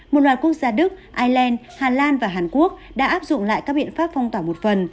một loạt quốc gia đức ireland hà lan và hàn quốc đã áp dụng lại các biện pháp phong tỏa một phần